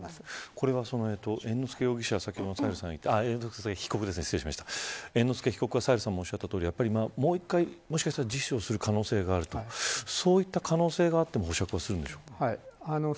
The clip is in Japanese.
これは猿之助被告はサヘルさんもおっしゃったとおりもう一回自死をする可能性があるそういった可能性があっても保釈はするんでしょうか。